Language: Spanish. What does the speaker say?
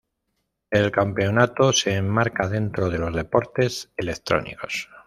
El campeonato se enmarca dentro de los deportes electrónicos.